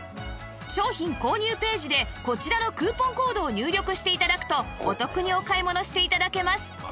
商品購入ページでこちらのクーポンコードを入力して頂くとお得にお買い物して頂けます